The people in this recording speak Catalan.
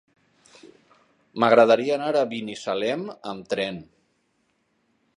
M'agradaria anar a Binissalem amb tren.